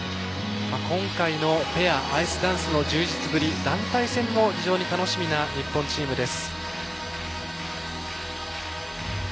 今回のペア、アイスダンスの充実ぶり団体戦も非常に楽しみな日本チームです。